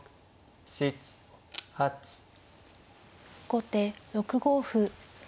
後手６五歩。